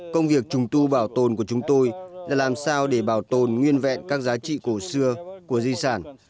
công việc trùng tu bảo tồn của chúng tôi là làm sao để bảo tồn nguyên vẹn các giá trị cổ xưa của di sản